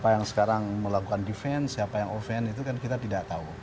yang sekarang melakukan defense siapa yang offense itu kan kita tidak tahu